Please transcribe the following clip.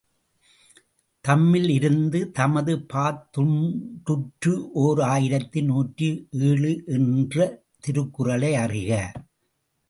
தம்மில் இருந்து தமதுபாத் துண்டற்று ஓர் ஆயிரத்து நூற்றி ஏழு என்ற திருக்குறளை அறிக.